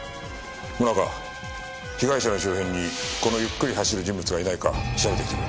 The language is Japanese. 萌奈佳被害者の周辺にこのゆっくり走る人物がいないか調べてきてくれ。